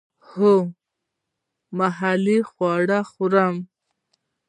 هو، محلی خواړه خورم